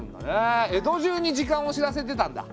江戸じゅうに時間を知らせてたんだ。